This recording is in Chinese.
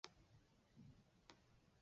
祖父张旺。